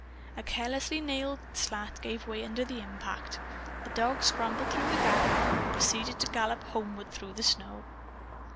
A carelessly nailed slat gave away under the impact. The dog scrambled through the gap and proceeded to gallop homeward through the snow.